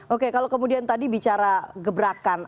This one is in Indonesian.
oke kalau kemudian tadi bicara gebrakan